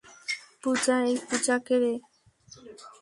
পূজা, এই পুজা কেরে?